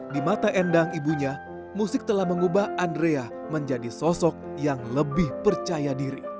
di mata endang ibunya musik telah mengubah andrea menjadi sosok yang lebih percaya diri